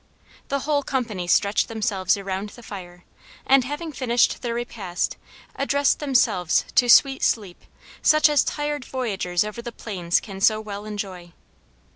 The whole company stretch themselves around the fire, and having finished their repast, address themselves to sweet sleep, such as tired voyagers over the plains can so well enjoy.